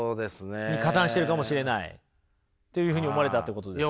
加担してるかもしれないというふうに思われたってことですか。